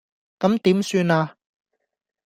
咁點算呀